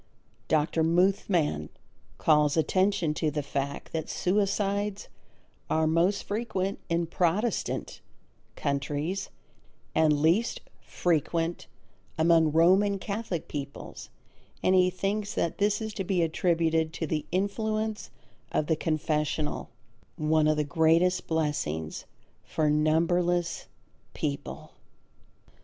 Dr. Muthmann calls attention to the fact that suicides are most frequent in Protestant countries, and least frequent among Roman Catholic peoples, and he thinks that this is to be attributed to the influence of the confessional, one of the greatest blessings for numberless people.